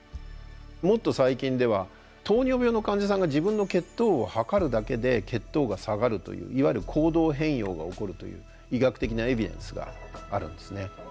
もっと最近では糖尿病の患者さんが自分の血糖を測るだけで血糖が下がるといういわゆる行動変容が起こるという医学的なエビデンスがあるんですね。